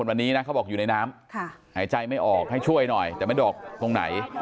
วันนี้นะเขาบอกอยู่ในน้ำหายใจไม่ออกให้ช่วยหน่อยแต่ไม่ดอกตรงไหน